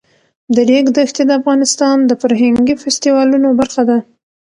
د ریګ دښتې د افغانستان د فرهنګي فستیوالونو برخه ده.